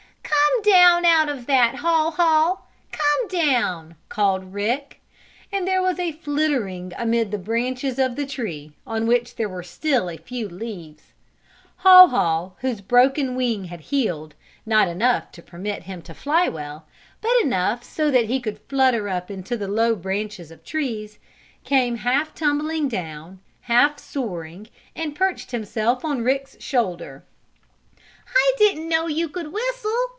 "Come down out of that, Haw Haw! Come down!" called Rick, and there was a flittering amid the branches of the tree on which there were still a few leaves. Haw Haw, whose broken wing had healed, not enough to permit him to fly well, but enough so that he could flutter up into the low branches of trees, came half tumbling down, half soaring and perched himself on Rick's shoulder. "I didn't know you could whistle!"